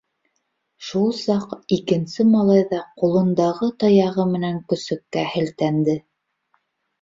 Шул саҡ икенсе малай ҙа ҡулындағы таяғы менән көсөккә һелтәнде.